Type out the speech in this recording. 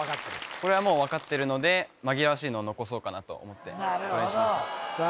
これはもう分かってるので紛らわしいのを残そうかなと思ってこれにしましたさあ